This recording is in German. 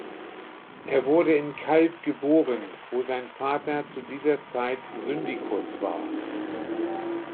Er wurde in Calbe geboren, wo sein Vater zu dieser Zeit Syndicus war.